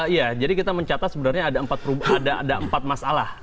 iya jadi kita mencatat sebenarnya ada empat masalah